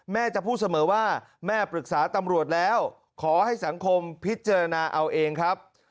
จะพูดเสมอว่าแม่ปรึกษาตำรวจแล้วขอให้สังคมพิจารณาเอาเองครับ